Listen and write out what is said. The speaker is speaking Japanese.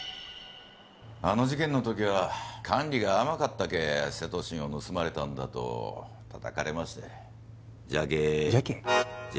あの事件のときは管理が甘かったけセトシンを盗まれたんだと叩かれましてじゃけじゃけ？